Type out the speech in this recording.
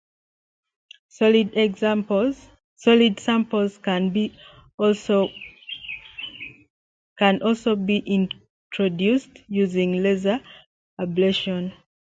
Solid samples can also be introduced using laser ablation.